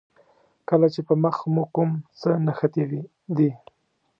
کله چې په مخ مو کوم څه نښتي دي.